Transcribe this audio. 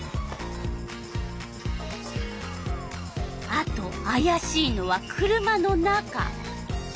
あとあやしいのは車の中。